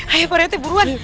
ayo pak rete buruan